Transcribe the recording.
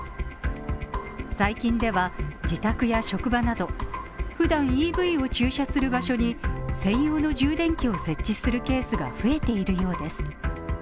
最近では、自宅や職場など普段ＥＶを駐車する場所に専用の充電器を設置するケースが増えているようです。